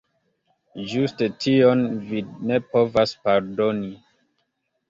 Ĝuste tion vi ne povas pardoni.